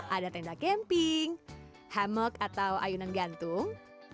ada tenda camping hammock atau ayunan gantung